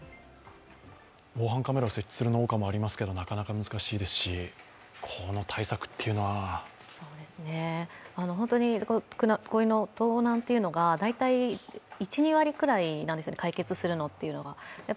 防犯カメラを設置する農家もありますけどなかなか難しいですしこの対策っていうのは盗難というのが、大体１２割ぐらいなんですね、解決するのが。